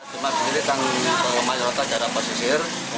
kita di sini kami ke mayorata darapesisir